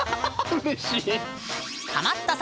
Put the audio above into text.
うれしい！